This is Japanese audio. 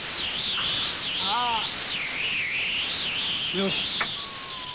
よし。